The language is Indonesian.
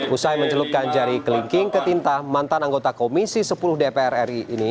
usai mencelupkan jari kelingking ke tinta mantan anggota komisi sepuluh dpr ri ini